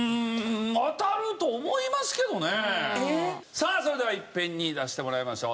さあそれではいっぺんに出してもらいましょう。